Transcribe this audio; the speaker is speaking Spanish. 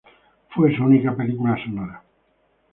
Fue su única película sonora.